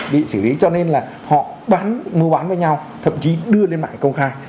bị xử lý cho nên là họ bán mua bán với nhau thậm chí đưa lên mạng công khai